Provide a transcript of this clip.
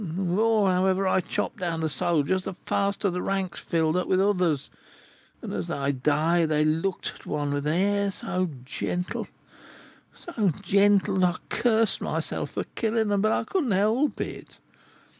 The more, however, I chopped down the soldiers, the faster the ranks filled up with others; and as they died, they looked at one with an air so gentle, so gentle, that I cursed myself for killing 'em; but I couldn't help it.